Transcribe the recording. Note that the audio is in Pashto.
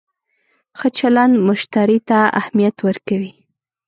ښه چلند مشتری ته اهمیت ورکوي.